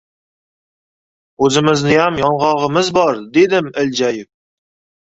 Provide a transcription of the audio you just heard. O‘zimizniyam yong‘og‘imiz bor! - dedim iljayib.